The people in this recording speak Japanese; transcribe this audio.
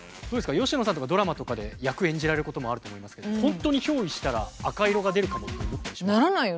佳乃さんとかドラマとかで役演じられることもあると思いますけど本当に憑依したら赤色が出るかもって思ったりします？ならないよ。